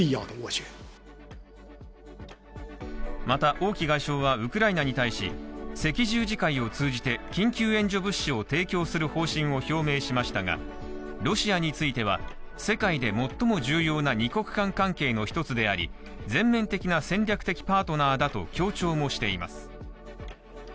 また、王毅外相はウクライナに対し赤十字会を通じて緊急援助物資を提供する方針を表明しましたがロシアについては世界で最も重要な２国間関係の１つであり全面的な戦略的パートナーだと強調もしています。